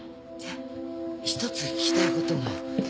ひとつ聞きたいことが。